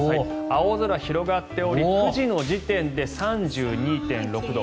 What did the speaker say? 青空が広がっており９時の時点で３２．６度。